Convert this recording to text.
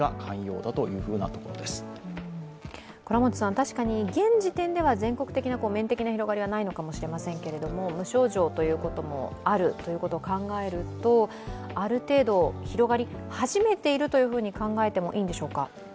確かに現時点では全国的な面的な広がりはないのかもしれませんが無症状ということもあるということを考えると、ある程度、広がり始めているというふうに考えてもいいんでしょうか？